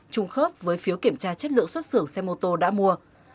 trung khớp với phiếu kiểm tra chất lượng xuất xưởng xe mô tô đã mua